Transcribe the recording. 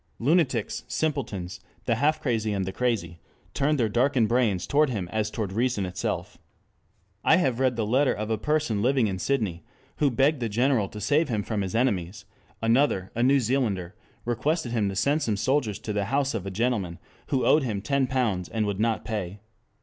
Lunatics, simpletons, the half crazy and the crazy turned their darkened brains toward him as toward reason itself. I have read the letter of a person living in Sydney, who begged the General to save him from his enemies; another, a New Zealander, requested him to send some soldiers to the house of a gentleman who owed him ten pounds and would not pay.